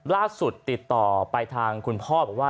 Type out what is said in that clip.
ล่าสุดติดต่อไปทางคุณพ่อบอกว่า